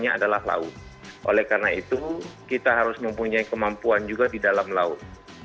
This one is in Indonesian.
di dalam laut oleh karena itu kita harus mempunyai kemampuan juga di dalam laut